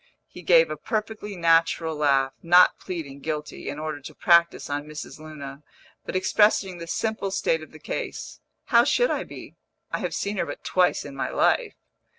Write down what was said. He gave a perfectly natural laugh, not pleading guilty, in order to practise on Mrs. Luna, but expressing the simple state of the case. "How should I be? I have seen her but twice in my life."